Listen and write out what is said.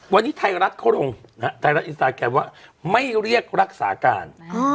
วันนี้ไทยรัฐเขาลงนะฮะไทยรัฐอินสตาแกรมว่าไม่เรียกรักษาการ